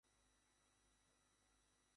আমি তাকে ভালো করে চিনি না।